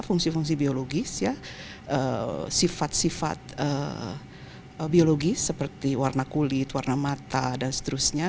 fungsi fungsi biologis ya sifat sifat biologis seperti warna kulit warna mata dan seterusnya